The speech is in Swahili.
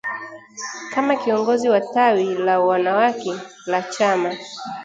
Kama kiongozi wa tawi la wanawake la chama